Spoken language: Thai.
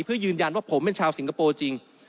เพื่อยืนยันว่าผมเป็นชาวสิงคโปร์จริง